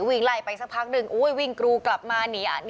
วิ่งไล่ไปสักพักหนึ่งวิ่งกรูกลับมาหนี